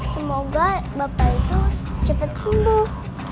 semoga bapak itu cepat sembuh